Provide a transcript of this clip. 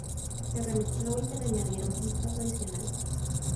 Se remezcló y se le añadieron pistas adicionales.